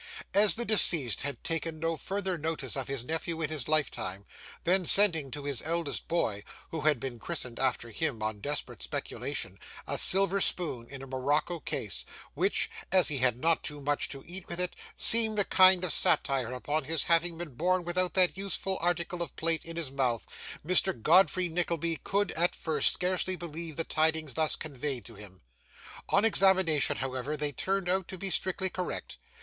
As the deceased had taken no further notice of his nephew in his lifetime, than sending to his eldest boy (who had been christened after him, on desperate speculation) a silver spoon in a morocco case, which, as he had not too much to eat with it, seemed a kind of satire upon his having been born without that useful article of plate in his mouth, Mr. Godfrey Nickleby could, at first, scarcely believe the tidings thus conveyed to him. On examination, however, they turned out to be strictly correct.